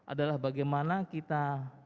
adalah bagaimana kita